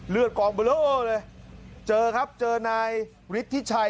เลือดกล่องเบาโลและเจอครับเจอนายฤทธิบังทราย